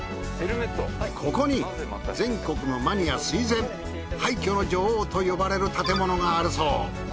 ここに全国のマニア垂ぜん廃墟の女王と呼ばれる建物があるそう。